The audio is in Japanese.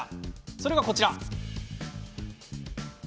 それがこちら。